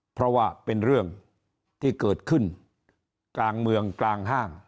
เพราะว่าเป็นเรื่องที่เกิดขึ้นกลางเมืองกลางห้าง